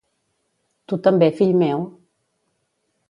Tu també, fill meu?